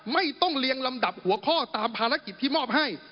ไม่ต้องเรียงลำดับหัวข้อตามภารกิจที่มอบให้